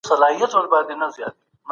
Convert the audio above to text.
سیاست پوهنه د تدبیر او پوهې نوم دی.